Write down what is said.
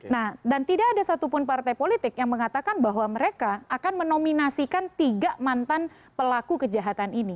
nah dan tidak ada satupun partai politik yang mengatakan bahwa mereka akan menominasikan tiga mantan pelaku kejahatan ini